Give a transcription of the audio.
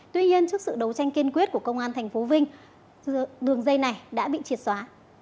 tuy nhiên trước sự đấu tranh kiên quyết của công an tp vinh đường dây này đã bị triệt xóa